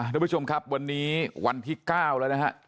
ทุกผู้ชมครับวันนี้วันที่๙แล้วนะฮะ